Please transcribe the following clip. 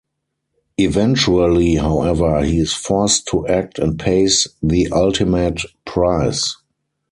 Eventually, however, he is forced to act and pays the ultimate price.